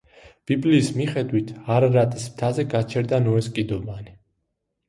ბიბლიის მიხედვით არარატის მთაზე გაჩერდა ნოეს კიდობანი.